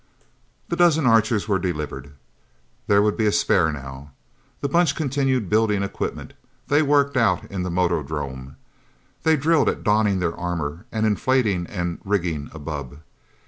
The dozen Archers were delivered there would be a spare, now. The Bunch continued building equipment, they worked out in the motordrome, they drilled at donning their armor and at inflating and rigging a bubb.